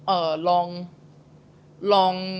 เออลอง